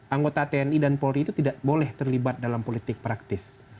anggota tni dan polri itu tidak boleh terlibat dalam politik praktis